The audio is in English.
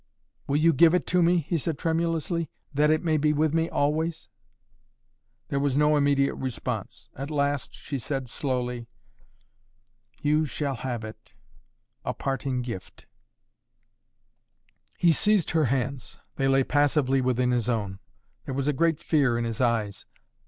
"Will you give it to me?" he said tremulously. "That it may be with me always " There was no immediate response. At last she said slowly: "You shall have it a parting gift " He seized her hands. They lay passively within his own. There was a great fear in his eyes.